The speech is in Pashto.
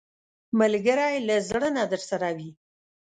ملګری له زړه نه درسره وي